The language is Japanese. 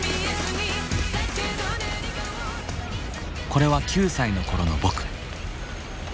これは９歳の頃の僕。